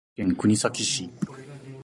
大分県国東市